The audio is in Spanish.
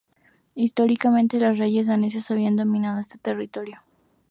Históricamente, los reyes daneses habían dominado ese territorio.